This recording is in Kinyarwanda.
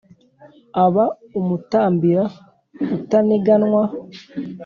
aba umutambira utaginanwa.